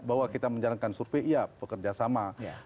bahwa kita menjalankan survei ya bekerjasama